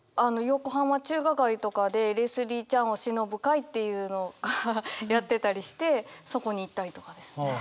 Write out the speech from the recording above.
横浜中華街とかでレスリー・チャンをしのぶ会っていうのがやってたりしてそこに行ったりとかですね。